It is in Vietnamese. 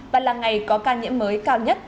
và là ngày có ca nhiễm mới cao nhất